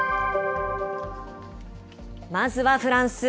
まずはフランス。